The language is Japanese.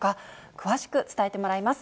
詳しく伝えてもらいます。